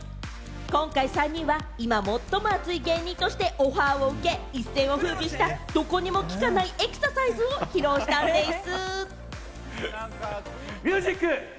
今回３人は今、最も熱い芸人としてオファーを受け、一世を風靡した、どこにも効かないエクササイズを披露したんでぃす。